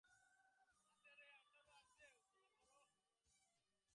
সেই-সকল অসম্ভাবিত কল্পনার পথে সুখালোচনাকে সুদীর্ঘ করিয়া টানিয়া লইয়া চলিতে আশারও ভালো লাগিত।